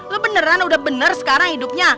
lo beneran udah bener sekarang hidupnya